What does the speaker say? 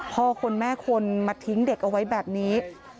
พ่อคนแม่คนมาทิ้งเด็กเอาไว้แบบนี้